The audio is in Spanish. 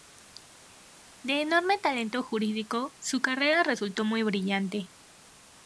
De enorme talento jurídico, su carrera resultó muy brillante.